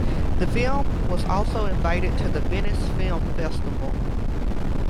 The film was also invited to the Venice Film Festival.